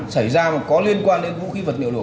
xảy ra mà có liên quan đến vũ khí vật liệu nổ